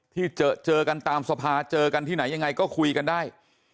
ที่เจอกันตามสภาเจอกันที่ไหนยังไงก็คุยกันได้